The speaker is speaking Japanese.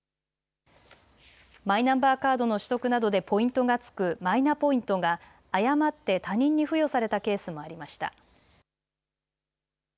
マイナンバーカードの取得などでポイントがつくマイナポイントが誤って他人に付与されたケースもありました。